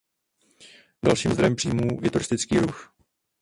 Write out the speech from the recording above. Dalším zdrojem příjmů je turistický ruch.